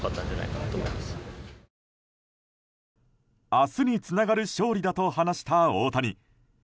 明日につながる勝利だと話した大谷。